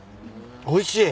おいしい。